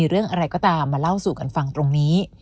เรื่องอะไรก็ตามมาเล่าสู่กันฟังตรงนี้